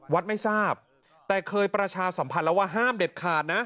วัดไม่ทราบแต่เคยประชาสัมพันธ์แล้วว่าห้ามเด็ดขาดนะ